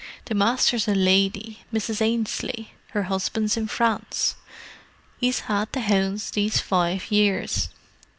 The Master's a lady—Mrs. Ainslie; her husband's in France. He's 'ad the 'ounds these five years."